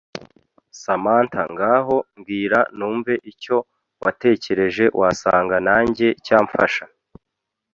Samantha ngaho mbwira numve icyo watekereje wasanga nanjye cyamfasha